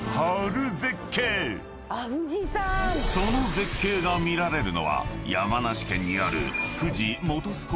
［その絶景が見られるのは山梨県にある］